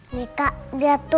nih kak lihat tuh